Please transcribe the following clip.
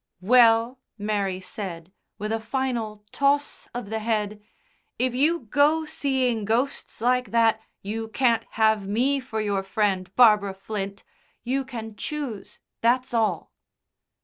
"Well," Mary said, with a final toss of the head, "if you go seeing ghosts like that you can't have me for your friend, Barbara Flint you can choose, that's all."